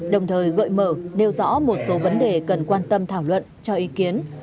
đồng thời gợi mở đeo rõ một số vấn đề cần quan tâm thảo luận cho ý kiến